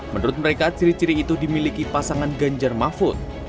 menurut mereka ciri ciri itu dimiliki pasangan genjar mafud